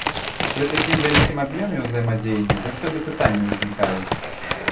Пры такім вялікім аб'ёме ўзаемадзеяння заўсёды пытанні ўзнікаюць.